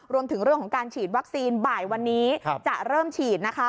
รวมถึงเรื่องของการฉีดวัคซีนบ่ายวันนี้จะเริ่มฉีดนะคะ